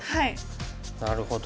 なるほど。